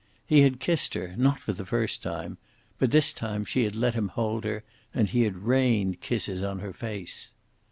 He had kissed her, not for the first time, but this time she had let him hold her, and he had rained kisses on her face.